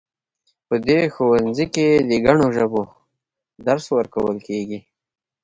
په دې ښوونځي کې د ګڼو ژبو درس ورکول کیږي